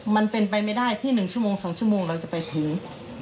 มันเป็นไปไม่ได้ที่๑ชั่วโมง๒ชั่วโมงเราจะไปถึง